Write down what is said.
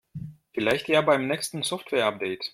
Vielleicht ja beim nächsten Softwareupdate.